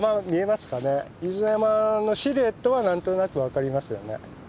飯縄山のシルエットは何となく分かりますよね。